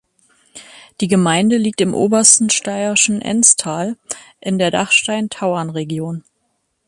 Die Gemeinde liegt im obersten steirischen Ennstal in der Dachstein-Tauern-Region.